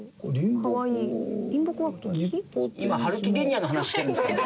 今ハルキゲニアの話してるんですけど！